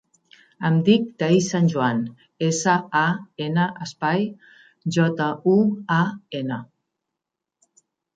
Em dic Thaís San Juan: essa, a, ena, espai, jota, u, a, ena.